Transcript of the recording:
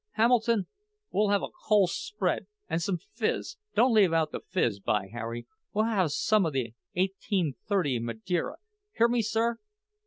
Hamilton, we'll have a cole spread, an' some fizz—don't leave out the fizz, by Harry. We'll have some of the eighteen thirty Madeira. Hear me, sir?"